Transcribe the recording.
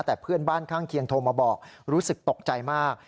แต่เพื่อนบ้านข้างเคียงโทรมาบอกรู้สึกตกใจมาก